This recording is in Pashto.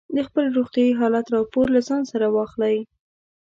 د خپل روغتیايي حالت راپور له ځان سره واخلئ.